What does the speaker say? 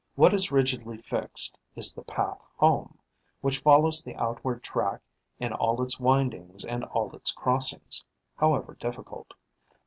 What is rigidly fixed is the path home, which follows the outward track in all its windings and all its crossings, however difficult.